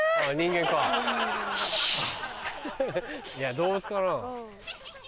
動物かな？